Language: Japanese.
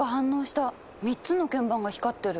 ３つの鍵盤が光ってる！